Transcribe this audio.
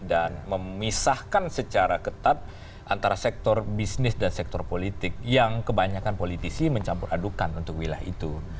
dan memisahkan secara ketat antara sektor bisnis dan sektor politik yang kebanyakan politisi mencampur adukan untuk wilayah itu